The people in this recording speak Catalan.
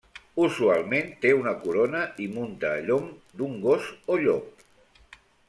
Usualment té una corona i munta a llom d'un gos o llop.